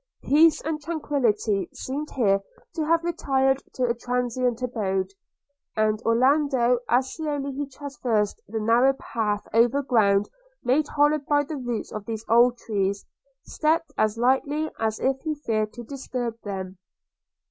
Peace and tranquility seemed here to have retired to a transient abode; and Orlando, as slowly he traversed the narrow path over ground made hollow by the roots of these old trees, stepped as lightly as if he feared to disturb them.